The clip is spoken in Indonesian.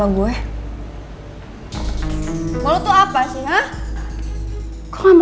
aku lakan verba